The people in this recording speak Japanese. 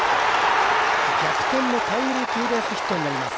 逆転のタイムリーツーベースヒットになります。